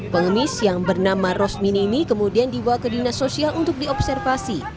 pengemis yang bernama rosmini ini kemudian dibawa ke dinas sosial untuk diobservasi